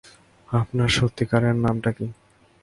আপনার সত্যিকারের নামটা কী?